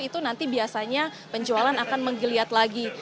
itu nanti biasanya penjualan akan menggeliat lagi